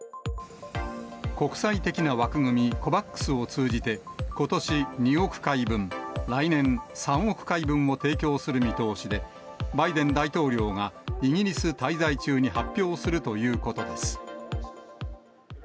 国際的な枠組み、ＣＯＶＡＸを通じて、ことし２億回分、来年３億回分を提供する見通しで、バイデン大統領がイギリス滞在中に発表するということです。